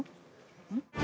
うん？